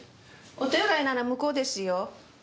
お手洗いなら向こうですよ。